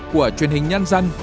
của truyền hình nhân dân